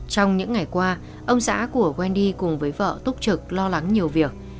trong những ngày qua ông xã của wendy cùng với vợ túc trực lo lắng nhiều việc